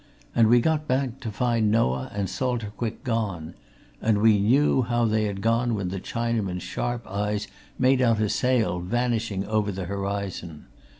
And we got back to find Noah and Salter Quick gone and we knew how they had gone when the Chinaman's sharp eyes made out a sail vanishing over the horizon.